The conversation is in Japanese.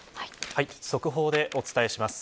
速報でお伝えします。